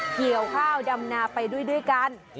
เกี่ยวข้าวดำนาไปด้วยกัน